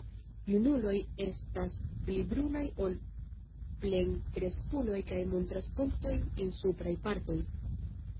Junuloj estas pli brunaj ol plenkreskuloj kaj montras punktojn en supraj partoj.